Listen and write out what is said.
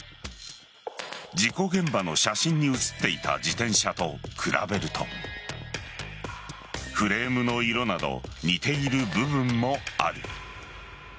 事故現場の写真に写っていた自転車と比べるとフレームの色など似ている部分もある。